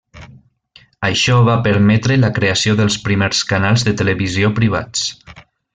Això va permetre la creació dels primers canals de televisió privats.